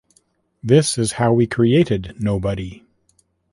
This is how we created Nobody.